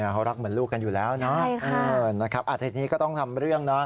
เขารักเหมือนลูกกันอยู่แล้วเนาะทีนี้ก็ต้องทำเรื่องนะ